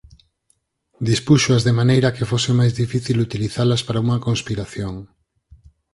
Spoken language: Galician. Dispúxoas de maneira que fose máis difícil utilizalas para unha conspiración.